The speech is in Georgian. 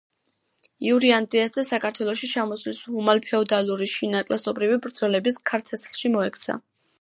იური ანდრიას ძე საქართველოში ჩამოსვლის უმალ ფეოდალური შინაკლასობრივი ბრძოლების ქარცეცხლში მოექცა.